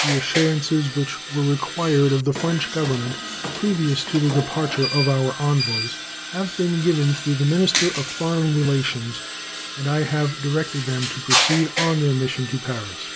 The assurances which were required of the French Government previous to the departure of our envoys have been given through their minister of foreign relations, and I have directed them to proceed on their mission to Paris.